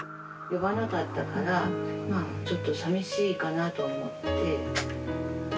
呼ばなかったからちょっと寂しいかなと思って。